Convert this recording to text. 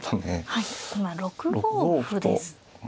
はい今６五歩ですね。